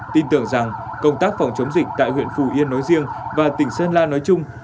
tin tưởng rằng công tác phòng chống dịch tại huyện phù yên nói riêng và tỉnh sơn la nói chung